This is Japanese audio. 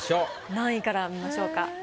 何位から見ましょうか？